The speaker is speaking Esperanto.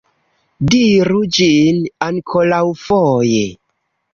Diru ĝin ankoraŭfoje!